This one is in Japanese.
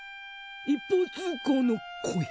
一方通行の恋。